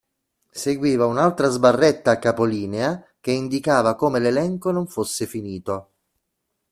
Seguiva un'altra sbarretta a capo linea, che indicava come l'elenco non fosse finito.